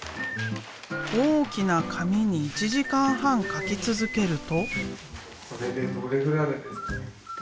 大きな紙に１時間半書き続けると。